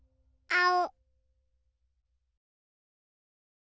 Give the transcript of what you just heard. あお！